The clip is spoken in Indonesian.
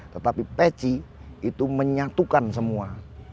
tetapi peci itu menyatukan semua